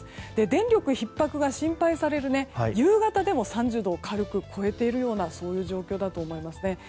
電力ひっ迫が心配される夕方でも３０度を軽く超えているような状況だと思いますね。